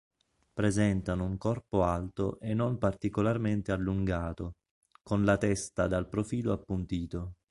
Presentano un corpo alto e non particolarmente allungato, con la testa dal profilo appuntito.